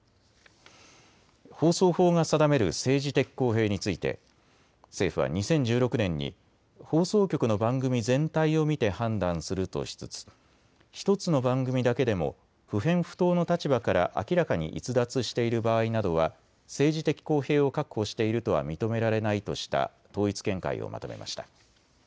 放送法が定める政治的公平について政府は２０１６年に放送局の番組全体を見て判断するとしつつ１つの番組だけでも不偏不党の立場から明らかに逸脱している場合などは政治的公平を確保しているとは認められないとした統一見解をまとめました。